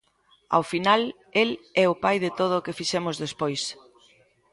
Ao final el é o pai de todo o que fixemos despois.